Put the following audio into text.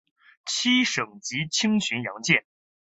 七省级轻巡洋舰。